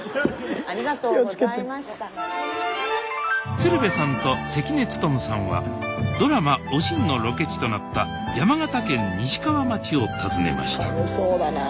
鶴瓶さんと関根勤さんはドラマ「おしん」のロケ地となった山形県西川町を訪ねました